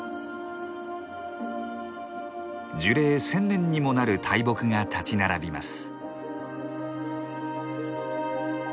樹齢１，０００年にもなる大木が立ち並びます。